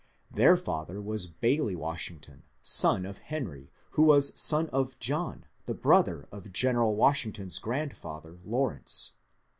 Their father was Baily Washington son of Henry, who was son of John, the brother of General Washington's grandfather, Lawrence.